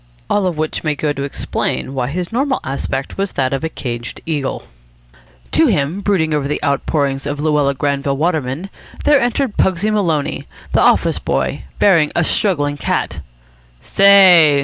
All of which may go to explain why his normal aspect was that of a caged eagle. To him, brooding over the outpourings of Luella Granville Waterman, there entered Pugsy Maloney, the office boy, bearing a struggling cat. "Say!"